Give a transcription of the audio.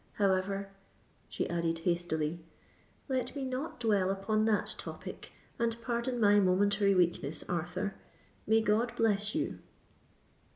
However," she added hastily, "let me not dwell upon that topic—and pardon my momentary weakness, Arthur. May God bless you!"